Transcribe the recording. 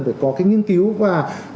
phải có cái nghiên cứu và